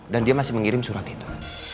dan dia masih mengirim surat itu